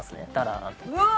うわ！